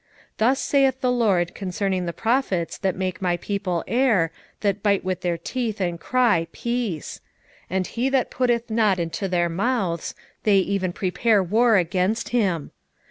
3:5 Thus saith the LORD concerning the prophets that make my people err, that bite with their teeth, and cry, Peace; and he that putteth not into their mouths, they even prepare war against him.